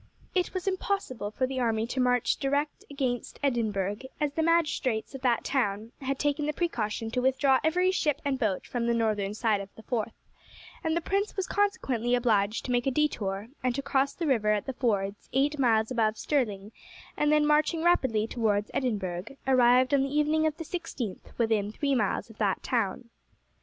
It was impossible for the army to march direct against Edinburgh, as the magistrates of that town had taken the precaution to withdraw every ship and boat from the northern side of the Forth, and the prince was consequently obliged to make a detour and to cross the river at the fords eight miles above Stirling, and then marching rapidly towards Edinburgh, arrived on the evening of the 16th within three miles of that town.